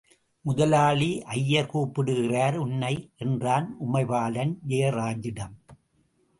முதலாளி அய்யர் கூப்பிடுகிறார் உன்னை! என்றான் உமைபாலன், ஜெயராஜிடம்.